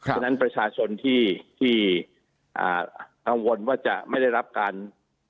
เพราะฉะนั้นประชาชนที่ที่อ่ามองว่าจะไม่ได้รับการช่วยเหลือ